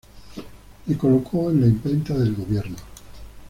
Le colocó en la imprenta del Gobierno.